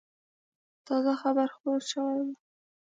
تازه خبر خپور شوی و.